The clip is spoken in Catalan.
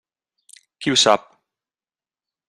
Qui ho sap!